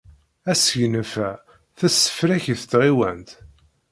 Asegnaf-a tessefrak-it tɣiwant.